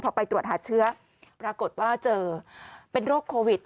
พอไปตรวจหาเชื้อปรากฏว่าเจอเป็นโรคโควิด